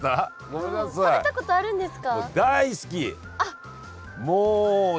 食べたことあるんですか？